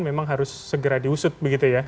memang harus segera diusut begitu ya